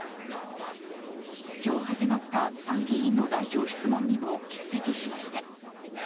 今日始まった参議院の代表質問にも欠席しました。